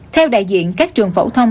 theo đại diện các trường phổ thông